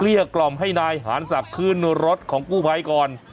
เรียกกล่อมให้นายหารศักดิ์ขึ้นรถของกู้ไพรก่อน